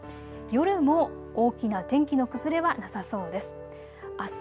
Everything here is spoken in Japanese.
夜も大きな天気の崩れはなさそうです。